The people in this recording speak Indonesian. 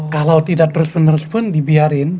kalau tidak terus menerus pun dibiarin